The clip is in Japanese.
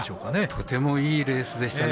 とてもいいレースでしたね。